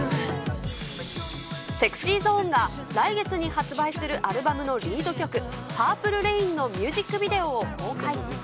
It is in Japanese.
ＳｅｘｙＺｏｎｅが、来月に発売するアルバムのリード曲、ＰｕｒｐｌｅＲａｉｎのミュージックビデオを公開。